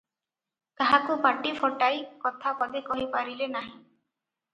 କାହାକୁ ପାଟି-ଫଟାଇ କଥାପଦେ କହିପାରିଲେ ନାହିଁ ।